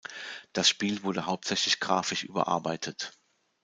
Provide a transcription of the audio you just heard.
Das Spiel wurde hauptsächlich grafisch überarbeitet.